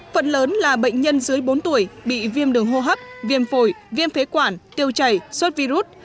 phần lớn là bệnh nhân dưới bốn tuổi bị viêm đường hô hấp viêm phổi viêm phế quản tiêu chảy suốt virus